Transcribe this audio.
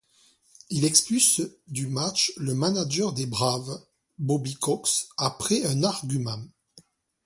Il expulse du match le manager des Braves, Bobby Cox, après un argument.